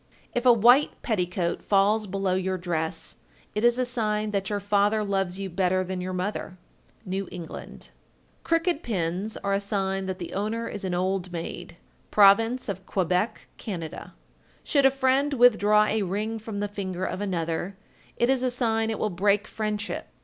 If a white petticoat falls below your dress, it is a sign that your father loves you better than your mother. New England. 1392. Crooked pins are a sign that the owner is an old maid. Province of Quebec, Can. 1393. Should a friend withdraw a ring from the finger of another, it is a sign it will break friendship.